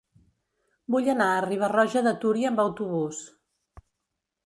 Vull anar a Riba-roja de Túria amb autobús.